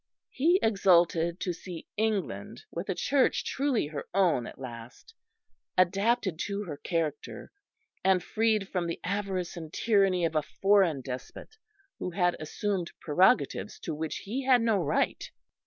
He exulted to see England with a church truly her own at last, adapted to her character, and freed from the avarice and tyranny of a foreign despot who had assumed prerogatives to which he had no right.